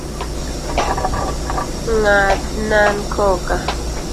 Ng'adnan koka.